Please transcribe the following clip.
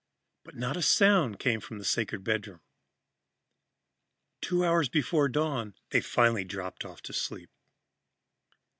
But not a sound came from the sacred bedroom. Two hours before dawn, they finally dropped off to sleep.